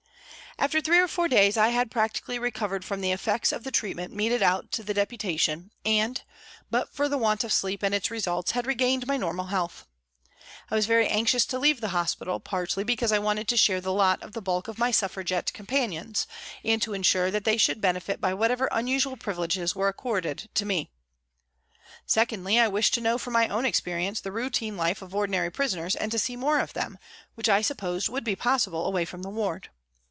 After three or four days I had practically recovered from the effects of the treatment meted out to the Deputation, and, but for the want of sleep and its results, had regained my normal health. I was very anxious to leave the hospital, partly because I wanted to share the lot of the bulk of my Suffragette companions and to ensure that they should benefit by whatever unusual privileges were accorded to me. Secondly, I wished to know from my own experience the routine life of ordinary prisoners and to see more of them, which I supposed would be possible away from the ward.